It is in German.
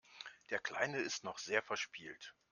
Der Kleine ist noch sehr verspielt.